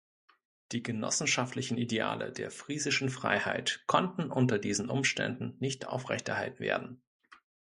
Die genossenschaftlichen Ideale der Friesischen Freiheit konnten unter diesen Umständen nicht aufrechterhalten werden.